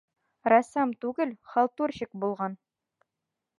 «Рәссам түгел, халтурщик булған!»